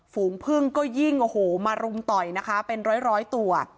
ฝูงพึ่งก็ยิ่งโอ้โหมารุมต่อยนะคะเป็นร้อยตัว